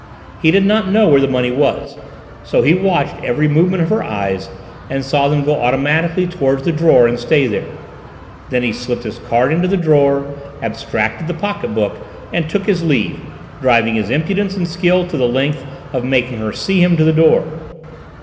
He did not know where the money was, so he watched every movement of her eyes and saw them go automatically towards the drawer and stay there; then he slipped his card into the drawer, abstracted the pocket book, and took his leave, driving his impudence and skill to the length of making her see him to the door!"